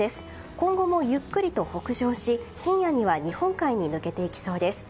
今後もゆっくりと北上し深夜には日本海に抜けていきそうです。